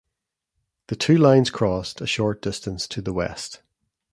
The two lines crossed a short distance to the west.